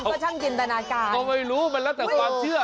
คุณก็ช่างจินตนาการเหมือนแหละมันแล้วแก่ความเชื่อ